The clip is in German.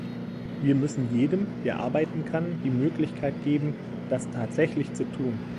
Wir müssen jedem, der arbeiten kann, die Möglichkeit geben, das tatsächlich zu tun.